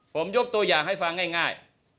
ผมยกตัวอย่างให้ฟังง่าย